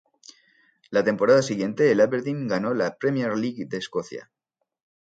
La temporada siguiente el Aberdeen ganó la Premier League de Escocia.